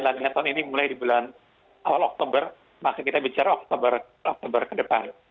artinya tahun ini mulai di bulan awal oktober maka kita bicara oktober ke depan